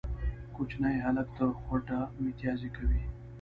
کوچنی هلک تر خوټه ميتيازې کوي